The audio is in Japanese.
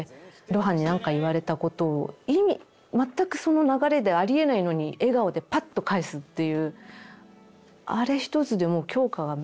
露伴に何か言われたことを意味全くその流れでありえないのに笑顔でパッと返すという。